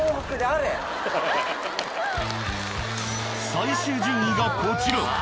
最終順位がこちら。